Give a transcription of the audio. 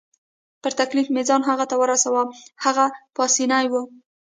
په تکلیف مې ځان هغه ته ورساوه، هغه پاسیني وو.